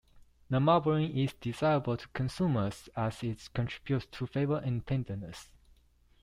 The marbling is desirable to consumers, as it contributes to flavor and tenderness.